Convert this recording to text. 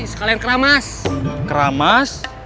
sekalian keramas spots